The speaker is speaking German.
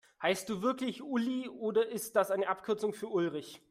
Heißt du wirklich Uli, oder ist das die Abkürzung für Ulrich?